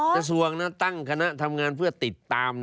กระทรวงตั้งคณะทำงานเพื่อติดตาม